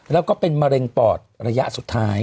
แล้วก็เป็นมะเร็งปอดระยะสุดท้าย